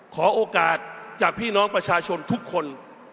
ขอโอกาสจากพี่น้องประชาชนทุกคน